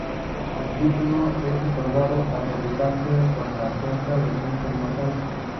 El título es otorgado al fabricante con la cuenta de puntos más alta.